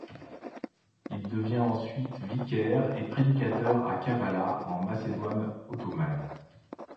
Il devient ensuite vicaire et prédicateur à Kavala, en Macédoine ottomane.